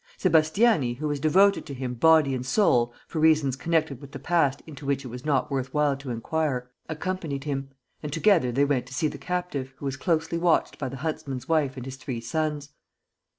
Sébastiani, who was devoted to him body and soul, for reasons connected with the past into which it was not worth while to inquire, accompanied him; and together they went to see the captive, who was closely watched by the huntsman's wife and his three sons.